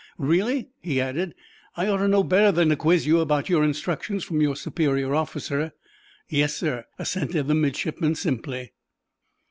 "Really," he added, "I ought to know better than to quiz you about your instructions from your superior officer." "Yes, sir," assented the midshipman, simply.